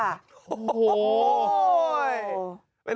โอ้โห